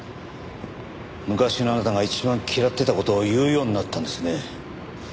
昔のあなたが一番嫌ってた事を言うようになったんですね。